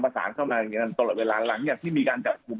ผสานเข้ามาเงินตลอดเวลาราคตหลังที่มีการจัดหุม